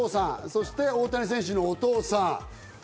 そして大谷選手のお父様。